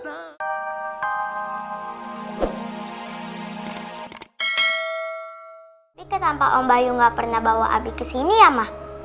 tapi kenapa om bayu gak pernah bawa abi kesini ya ma